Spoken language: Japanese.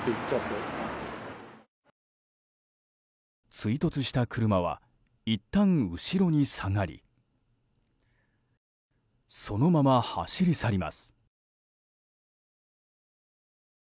追突した車はいったん後ろに下がりそのまま走り去ります。